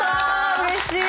うれしい！